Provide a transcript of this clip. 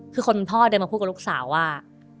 คือคนพ่อเดินมาพูดกับลูกสาวว่า